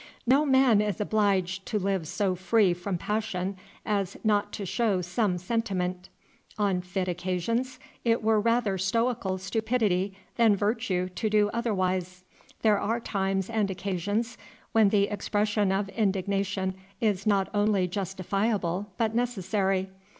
No man is obliged to live so free from passion as not to show some sentiment; on fit occasions it were rather stoical stupidity than virtue to do otherwise. There are times and occasions when the expression of indignation is not only justifiable but necessary.